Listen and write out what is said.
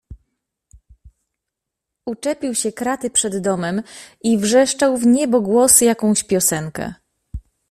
"Uczepił się kraty przed domem i wrzeszczał w niebogłosy jakąś piosenkę."